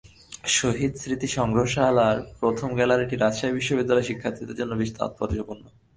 শহীদ স্মৃতি সংগ্রহশালার প্রথম গ্যালারিটি রাজশাহী বিশ্ববিদ্যালয়ের শিক্ষার্থীদের জন্য বেশ তাৎপর্যপূর্ণ।